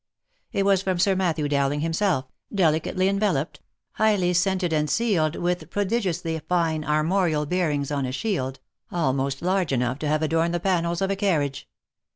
It was from Sir Matthew Dowling himself, delicately enveloped, highly scented and sealed with prodigiously fine armorial bearings on a shield, almost large enough to have adorned the panels of a carriage.